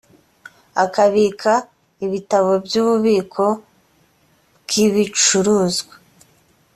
akabika ibitabo by ububiko bw ibicuruzwa